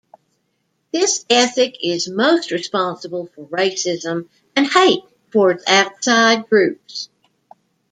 This ethic is most responsible for racism and hate towards outside groups.